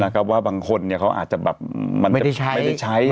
ว่าบางคนเขาอาจจะแบบมันจะไม่ได้ใช้